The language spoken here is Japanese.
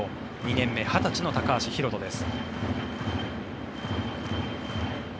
２年目２０歳の高橋宏斗です。